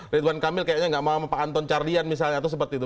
ridwan kamil kayaknya tidak mau sama pak anton carlyan misalnya atau seperti itu